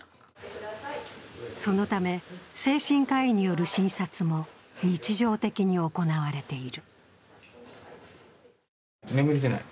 そのため精神科医による診察も日常的に行われている。